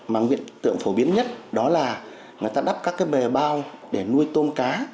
mà hiện tượng phổ biến nhất đó là người ta đắp các cái bề bao để nuôi tôm cá